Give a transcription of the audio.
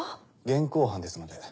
現行犯ですので。